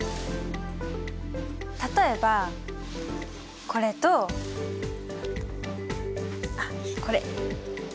例えばこれとあっこれ。